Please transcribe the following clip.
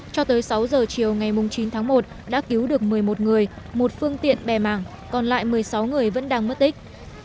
cho tới sáu giờ chiều ngày chín tháng một đã cứu được một mươi một người một phương tiện bè mảng còn lại một mươi sáu người vẫn đang mất tích